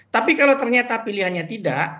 tapi kalau ternyata pilihannya tidak